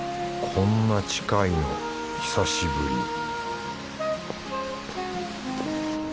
こんな近いの久しぶり